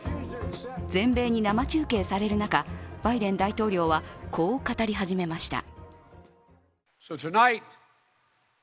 全米に生中継される中バイデン大統領はこう語り始めました。